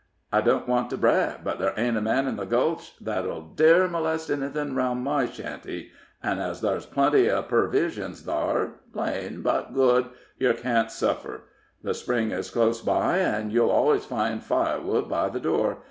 I don't want to brag, but thar ain't a man in the Gulch that'll dare molest anythin' aroun' my shanty, an' as thar's plenty of pervisions thar plain, but good yer can't suffer. The spring is close by, an' you'll allers find firewood by the door.